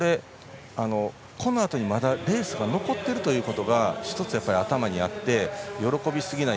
このあとに、まだレースが残っているということが１つ、頭にあって喜びすぎない